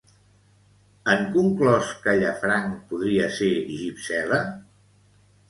Han conclòs que Llafranc podria ser Gypsela?